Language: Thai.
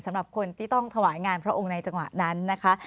สำหรับคนที่ต้องถวายงานพระองค์ในจังหวะนั้นนะคะ